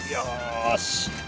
よし。